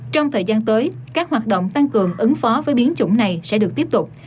trong thời gian tới các hoạt động tăng cường ứng phó với biến chủng này sẽ được tiếp tục